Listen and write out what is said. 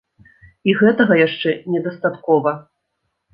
І гэтага яшчэ недастаткова!